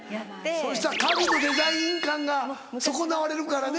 そしたら家具のデザイン感が損なわれるからね。